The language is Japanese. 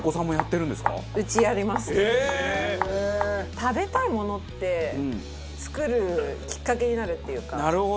食べたいものって作るきっかけになるっていうか。